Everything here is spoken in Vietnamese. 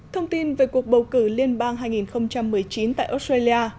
thông tin về cuộc bầu cử liên bang hai nghìn một mươi chín tại australia